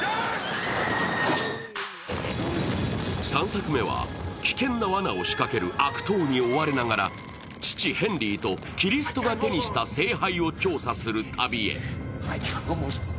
３作目は危険なわなを仕掛ける悪党に追われながら父・ヘンリーとキリストが手にした聖杯を調査する旅へ。